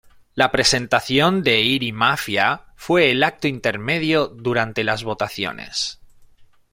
La presentación de Irie Maffia fue el acto intermedio durante las votaciones.